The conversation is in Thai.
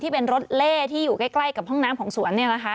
ที่เป็นรถเล่ที่อยู่ใกล้กับห้องน้ำของสวน